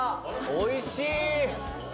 おいしい！